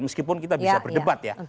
meskipun kita bisa berdebat ya